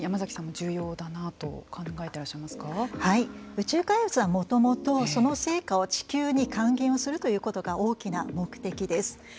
宇宙開発はもともとその成果を地球に還元をするということが大きな目的です。